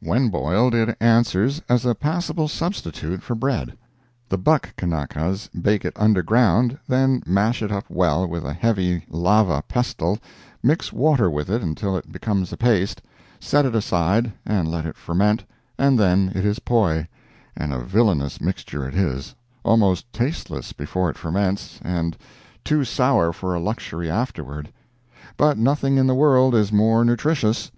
When boiled it answers as a passable substitute for bread. The buck Kanakas bake it underground, then mash it up well with a heavy lava pestle, mix water with it until it becomes a paste, set it aside and let it ferment, and then it is poi—and a villainous mixture it is, almost tasteless before it ferments and too sour for a luxury afterward. But nothing in the world is more nutritious.